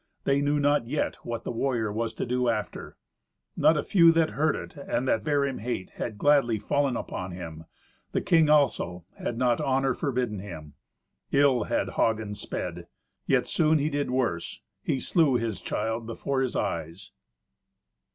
They knew not yet what the warrior was to do after. Not a few that heard it, and that bare him hate, had gladly fallen upon him: the king also, had not honour forbidden him. Ill had Hagen sped. Yet soon he did worse: he slew his child before his eyes.